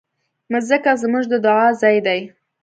مځکه زموږ د دعا ځای ده.